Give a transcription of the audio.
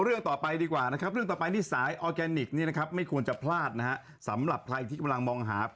เอ้าเอ้าเรื่องต่อไปดีกว่านะครับ